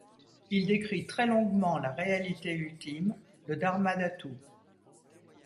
Il décrit très longuement la Réalité Ultime, le Dharmadhatu.